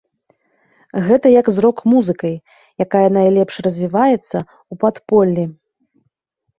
Гэта як з рок-музыкай, якая найлепш развіваецца ў падполлі.